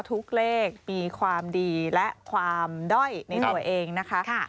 ทุกเลขมีความดีและความด้อยในตัวเองนะคะ